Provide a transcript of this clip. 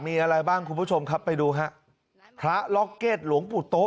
มีอะไรบ้างคุณผู้ชมครับไปดูฮะพระล็อกเก็ตหลวงปู่โต๊